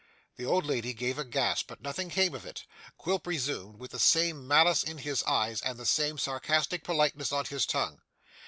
The old lady gave a gasp, but nothing came of it; Quilp resumed, with the same malice in his eye and the same sarcastic politeness on his tongue.